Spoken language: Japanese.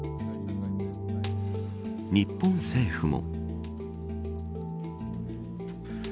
日本政府も。